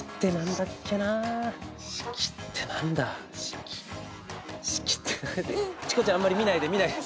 「しき」ってチコちゃんあんまり見ないで見ないで。